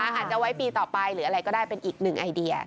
อาจจะไว้ปีต่อไปหรืออะไรก็ได้เป็นอีกหนึ่งไอเดีย